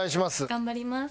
頑張ります。